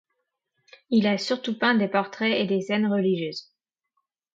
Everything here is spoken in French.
Il a surtout peint des portraits et des scènes religieuses.